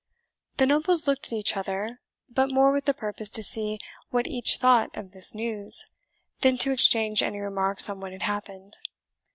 The nobles looked at each other, but more with the purpose to see what each thought of this news, than to exchange any remarks on what had happened.